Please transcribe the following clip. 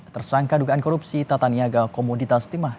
tersangka dugaan korupsi tata niaga komoditas timah